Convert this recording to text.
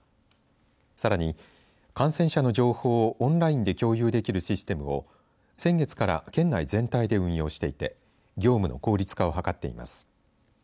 さらに、感染者の情報をオンラインで共有できるシステムを先月から県内全体で運用していて業務の効率化を図っています。